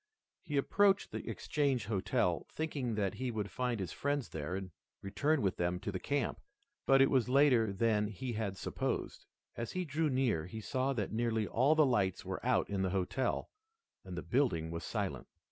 He approached the Exchange Hotel, thinking that he would find his friends there and return with them to the camp. But it was later than he had supposed. As he drew near he saw that nearly all the lights were out in the hotel, and the building was silent.